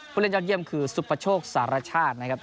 เล่นยอดเยี่ยมคือสุปโชคสารชาตินะครับ